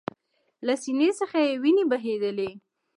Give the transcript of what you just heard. له سینې څخه یې ویني بهېدلې